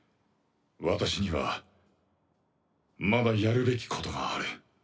私にはまだやるべきことがある。